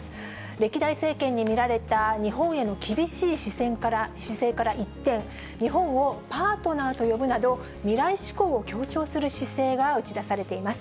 歴代政権に見られた日本への厳しい姿勢から一転、日本をパートナーと呼ぶなど、未来志向を強調する姿勢が打ち出されています。